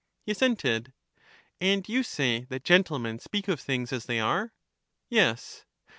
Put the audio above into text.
He assented. And you say that gentlemen speak of things as they are? Yes.